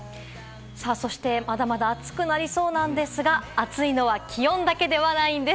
まだまだ暑くなりそうなんですが、暑いのは気温だけではないんです。